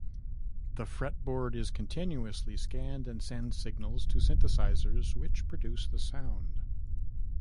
The fretboard is continuously scanned and sends signals to synthesizers which produce the sound.